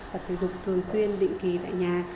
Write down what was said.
tập thể dục thường xuyên định kỳ tại nhà